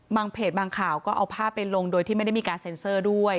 เพจบางข่าวก็เอาภาพไปลงโดยที่ไม่ได้มีการเซ็นเซอร์ด้วย